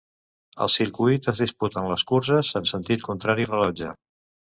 Al circuit es disputen les curses en sentit contrari al rellotge.